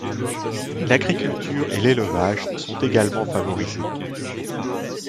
L'agriculture et l'élevage sont également favorisé.